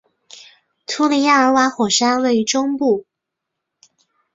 图里亚尔瓦火山位于中部。